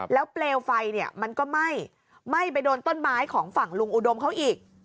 แล้วเปลวไฟเนี่ยมันก็ไหม้ไหม้ไปโดนต้นไม้ของฝั่งลุงอุดมเขาอีก